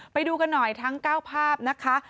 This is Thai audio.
ไปดูกันหน่อยทั้ง๙ภาพนะคะ